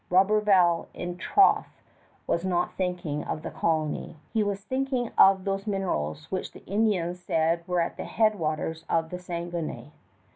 Roberval, in troth, was not thinking of the colony. He was thinking of those minerals which the Indians said were at the head waters of the Saguenay.